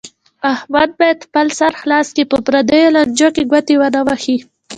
احمد باید خپل سر خلاص کړي، په پریو لانجو کې ګوتې و نه وهي.